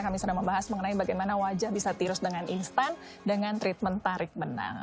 kami sedang membahas mengenai bagaimana wajah bisa tirus dengan instan dengan treatment tarik benang